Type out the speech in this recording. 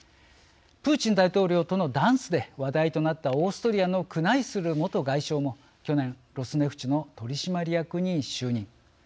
プーチン大統領とのダンスで話題となったオーストリアのクナイスル元外相も去年ロスネフチの取締役に就任。